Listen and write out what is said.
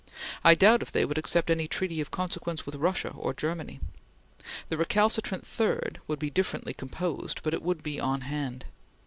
I doubt if they would accept any treaty of consequence with Russia or Germany. The recalcitrant third would be differently composed, but it would be on hand.